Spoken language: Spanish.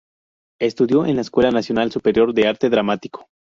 Estudió en la Escuela Nacional Superior de Arte Dramático.